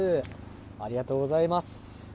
ありがとうございます。